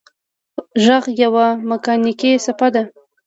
غږ یوه مکانیکي څپه ده.